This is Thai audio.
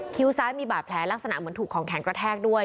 ซ้ายมีบาดแผลลักษณะเหมือนถูกของแข็งกระแทกด้วย